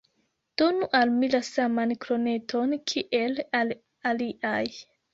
Donu al mi la saman kroneton, kiel al aliaj!